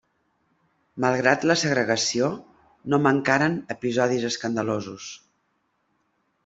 Malgrat la segregació, no mancaren episodis escandalosos.